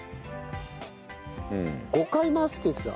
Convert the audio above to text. ５回回すって言ってた？